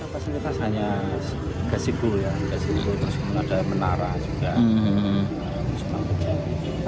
pasang kita hanya ke situ ya ke situ terus ada menara juga